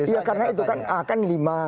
ya karena itu kan kan lima